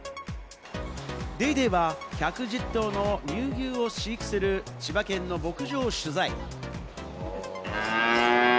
『ＤａｙＤａｙ．』は１１０頭の乳牛を飼育する千葉県の牧場を取材。